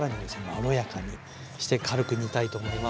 まろやかにして軽く煮たいと思います。